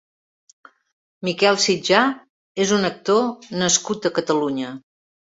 Miquel Sitjar és un actor nascut a Catalunya.